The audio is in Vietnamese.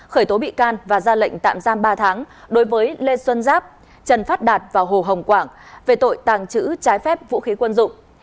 khởi tố bị can và ra lệnh tạm giam ba tháng đối với lê xuân giáp trần phát đạt và hồ hồng quảng về tội tàng trữ trái phép vũ khí quân dụng